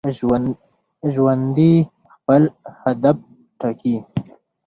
ژوندي خپل هدف ټاکي